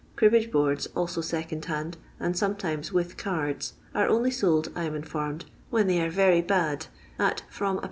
Cribbage boards, also second hand, and sometimes with cards, are only sold, I am in formed, when they are very bad, at from Id.